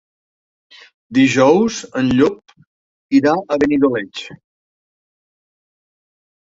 Dijous en Llop irà a Benidoleig.